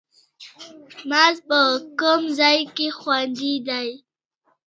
مغز په کوم ځای کې خوندي دی